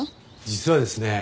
実はですね